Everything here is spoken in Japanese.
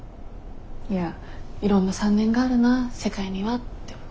いやいろんな３年があるな世界にはって思って。